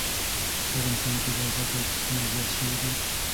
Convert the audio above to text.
ایا په افغانستان کې د زده کړو فرصتونه زیات شوي دي؟